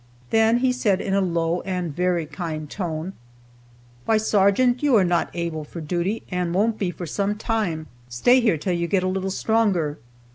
Then he said, in a low and very kind tone: "Why, sergeant, you are not able for duty, and won't be for some time. Stay here till you get a little stronger."